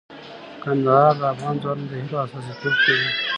کندهار د افغان ځوانانو د هیلو استازیتوب کوي.